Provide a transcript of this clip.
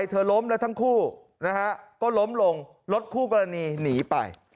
ล้มแล้วทั้งคู่นะฮะก็ล้มลงรถคู่กรณีหนีไป